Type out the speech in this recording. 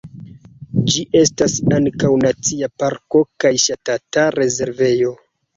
Ĝi estas ankaŭ nacia parko kaj ŝtata rezervejo.